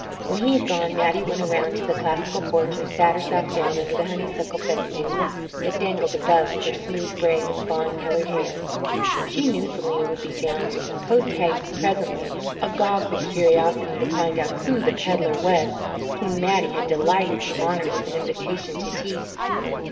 When he had gone Mattie went around to the classical porch and sat herself down under the honeysuckle festoons that dangled above her smooth braids of fawn coloured hair. She knew Selena would be down posthaste presently, agog with curiosity to find out who the pedlar was whom Mattie had delighted to honour with an invitation to tea.